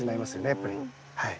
やっぱりはい。